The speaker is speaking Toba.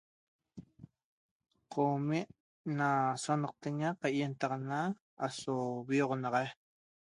Qomi na sonaqteña cahientaxana aso vioxonaxaiq